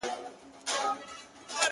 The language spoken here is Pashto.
چي اسمان ورته نجات نه دی لیکلی-